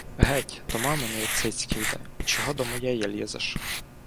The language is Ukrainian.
— Геть! До маминої цицьки йди — чого до моєї лізеш?!